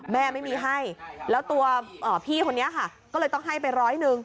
แม่ไม่มีให้แล้วตัวพี่คนนี้ค่ะก็เลยต้องให้ไปร้อยหนึ่ง